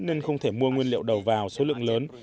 nên không thể mua nguyên liệu đầu vào số lượng lớn